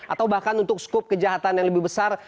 atau bahkan untuk skup kejahatan yang lebih besar